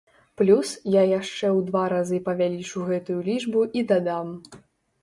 Плюс я яшчэ ў два разы павялічу гэтую лічбу і дадам.